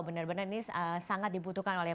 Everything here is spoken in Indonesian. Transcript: benar benar ini sangat dibutuhkan oleh